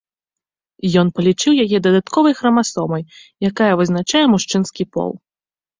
Ён палічыў яе дадатковай храмасомай, якая вызначае мужчынскі пол.